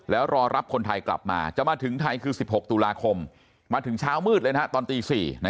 แล้วรอรับคนไทยกลับมาจะมาถึงไทยคือ๑๖ตุลาคมมาถึงเช้ามืดเลยนะฮะตอนตี๔